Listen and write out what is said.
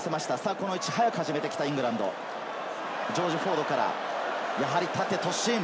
この位置で早く始めてきたイングランド、ジョージ・フォードからやはり縦に突進。